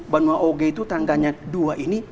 banma oge itu tangganya dua ini